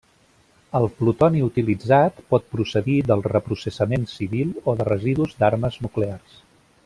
El plutoni utilitzat pot procedir del reprocessament civil o de residus d'armes nuclears.